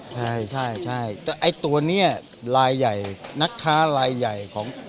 ใช่ใช่ตัวนี้ลายใหญ่นักท้ารายใหญ่